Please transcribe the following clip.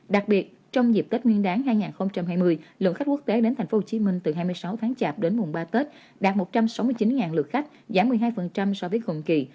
đặc biệt trong dịp tết nguyên đáng hai nghìn hai mươi lượng khách quốc tế đến tp hcm từ hai mươi sáu tháng chạp đến mùng ba tết đạt một trăm sáu mươi chín lượt khách giảm một mươi hai so với cùng kỳ